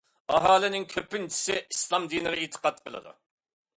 ئاھالىنىڭ كۆپىنچىسى ئىسلام دىنىغا ئېتىقاد قىلىدۇ.